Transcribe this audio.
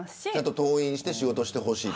登院して仕事してほしい。